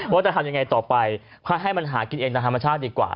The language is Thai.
ว่าจะทำยังไงต่อไปให้มันหากินเองตามธรรมชาติดีกว่า